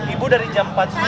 ibu dari jam empat sembilan